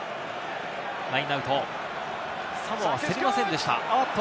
ラインアウト、サモア競りませんでした。